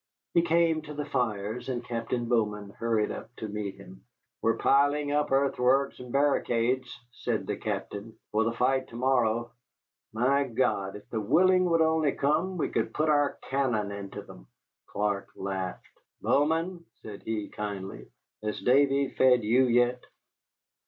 We came to the fires, and Captain Bowman hurried up to meet him. "We're piling up earthworks and barricades," said the Captain, "for the fight to morrow. My God! if the Willing would only come, we could put our cannon into them." Clark laughed. "Bowman," said he, kindly, "has Davy fed you yet?"